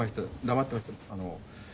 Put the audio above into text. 黙ってました。